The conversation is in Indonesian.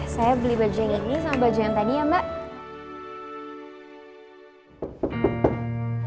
saya beli baju yang ini sama baju yang tadi ya mbak